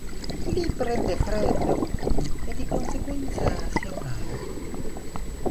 Lì prende freddo e di conseguenza si ammala.